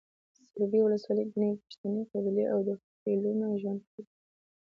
سروبي ولسوالۍ کې ګڼې پښتنې قبیلې او خيلونه ژوند کوي